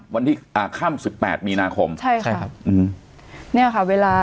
วันที่อ่าข้ามสิบแปดมีนาคมใช่ค่ะใช่ครับอืมเนี่ยค่ะเวลา